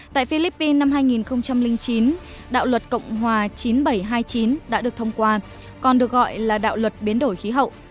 tại philippines năm hai nghìn chín đạo luật cộng hòa chín nghìn bảy trăm hai mươi chín đã được thông qua còn được gọi là đạo luật biến đổi khí hậu